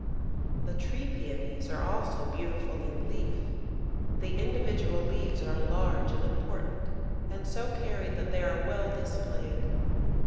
The Tree Pæonies are also beautiful in leaf; the individual leaves are large and important, and so carried that they are well displayed.